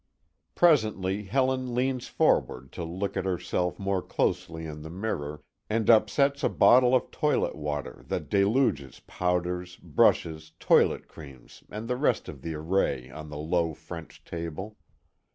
Presently, Helen leans forward to look at herself more closely in the mirror, and upsets a bottle of toilet water that deluges powders, brushes, toilet creams and the rest of the array on the low, French table.